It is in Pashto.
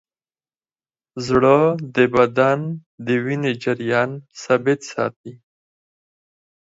زړه د بدن د وینې جریان ثابت ساتي.